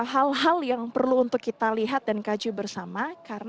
hal hal yang perlu untuk kita lihat dan kaji bersama